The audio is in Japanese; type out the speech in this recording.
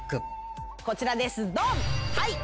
こちらですドン。